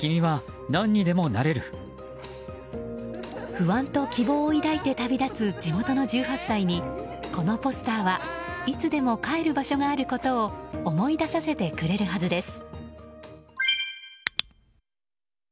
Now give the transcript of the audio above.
不安と希望を抱いて旅立つ地元の１８歳にこのポスターはいつでも帰る場所があることを思い出させてくれるはずです。